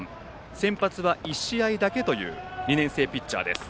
先発は、１試合だけという２年生ピッチャー。